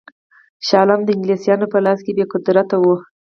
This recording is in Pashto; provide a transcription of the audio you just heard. شاه عالم د انګلیسیانو په لاس کې بې قدرته وو.